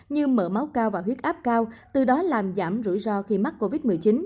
như mở máu cao và huyết áp cao từ đó làm giảm rủi ro khi mắc covid một mươi chín